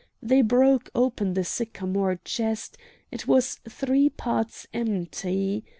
They broke open the sycamore chest; it was three parts empty.